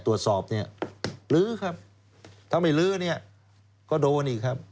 ตรวจสอบเนี่ยลื้อครับถ้าไม่ลื้อเนี่ยก็โดนอีกครับ